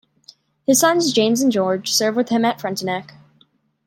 His sons James and George served with him at Frontenac.